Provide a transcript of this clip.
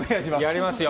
やりますよ。